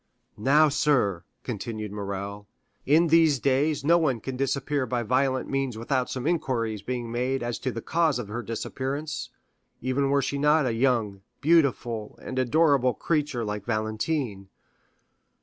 "Now, sir," continued Morrel, "in these days no one can disappear by violent means without some inquiries being made as to the cause of her disappearance, even were she not a young, beautiful, and adorable creature like Valentine.